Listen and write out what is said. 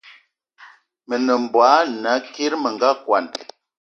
Me nem mbogue ana kiri me nga kwan